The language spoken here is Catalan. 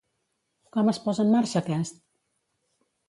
Com es posa en marxa aquest?